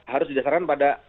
harus didasarkan pada